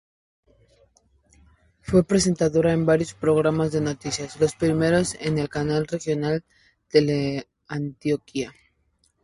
Fue presentadora en varios programas de noticias, los primeros en el canal regional Teleantioquia.